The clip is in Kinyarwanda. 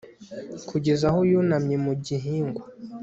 kugeza aho yunamye mu gihingwa